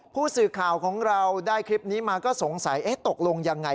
ผู้สื่อข่าวของเราได้คลิปนี้มาก็สงสัยตกลงยังไง